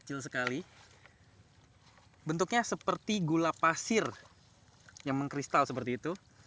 ini bentuknya seperti gula pasir yang mengkristal seperti itu